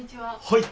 はい。